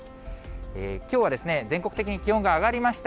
きょうは全国的に気温が上がりました。